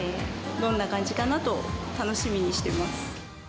どんな感じかなと、楽しみにしてます。